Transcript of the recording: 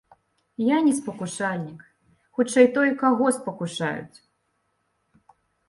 Я не спакушальнік, хутчэй, той, каго спакушаюць.